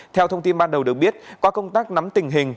theo thông tin ban đầu được biết qua công tác nắm tình hình